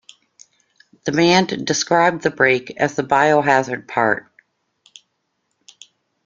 The band described the break as the Biohazard part.